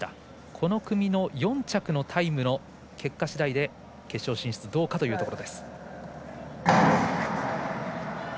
この組の４着のタイムの結果しだいで決勝進出どうかというところ。